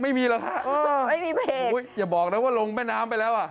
ไม่มีแล้วค่ะไม่มีเผลออย่าบอกแล้วว่าลงแม่น้ำไปแล้วอ่ะ